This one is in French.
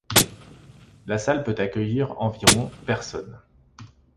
La salle peut accueillir environ personnes.